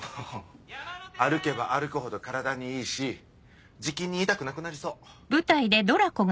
歩けば歩くほど体にいいしじきに痛くなくなりそう。